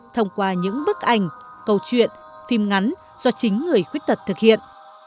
thông qua những bức ảnh câu chuyện phim ngắn do chính người khuyết tật thực hiện